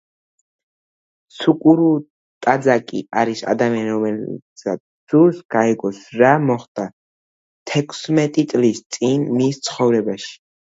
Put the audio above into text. ცუკურუ ტაძაკი არის ადამიანი, რომელსაც სურს გაიგოს, რა მოხდა თექვსმეტი წლის წინ მის ცხოვრებაში.